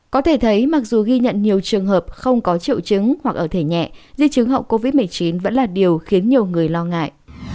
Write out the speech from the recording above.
có thể thấy mặc dù ghi nhận nhiều trường hợp không có triệu chứng hoặc ở thể nhẹ di chứng hậu covid một mươi chín vẫn là điều khiến nhiều người lo ngại